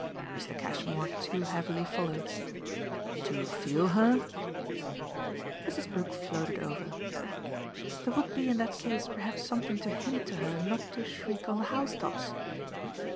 Mr. Cashmore too heavily followed. "To 'feel' her?" Mrs. Brook floated over. "There would be in that case perhaps something to hint to her not to shriek on the house tops.